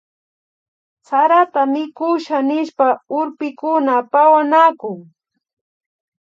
Sarata mikusha nishpa urpikuna pawanakun